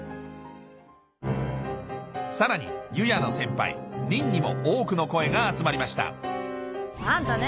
さらににも多くの声が集まりましたあんたね